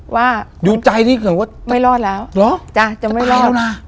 ว่าดูใจที่แบบว่าไม่รอดแล้วเหรอจ้ะจะไม่รอดแล้วนะ